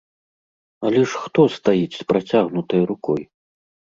Але ж хто стаіць з працягнутай рукой?